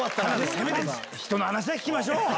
せめて人の話は聞きましょう。